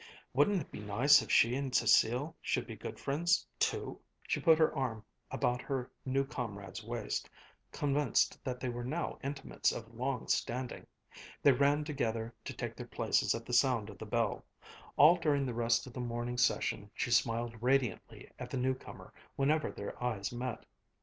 Wouldn't it be nice if she and Cécile should be good friends too!" She put her arm about her new comrade's waist, convinced that they were now intimates of long standing. They ran together to take their places at the sound of the bell; all during the rest of the morning session she smiled radiantly at the new comer whenever their eyes met.